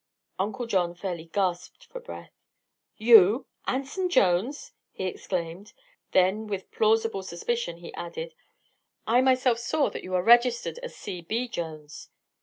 Uncle John fairly gasped for breath. "You Anson Jones!" he exclaimed. Then, with plausible suspicion he added: "I myself saw that you are registered as C.B. Jones."